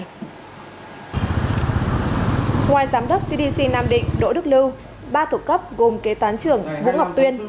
ngoài giám đốc cdc nam định đỗ đức lưu ba thủ cấp gồm kế toán trưởng vũ ngọc tuyên